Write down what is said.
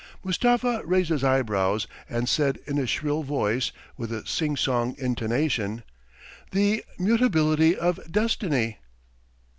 Mustafa raised his eyebrows and said in a shrill voice, with a sing song intonation: "The mutability of destiny!"